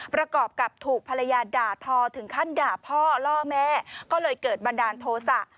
ประกอบกับถูกภรรยาด่าทอถึงขั้นด่าพ่อล่อแม่ก็เลยเกิดบันดาลโทษะ